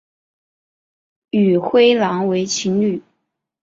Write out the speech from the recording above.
与灰狼为情侣。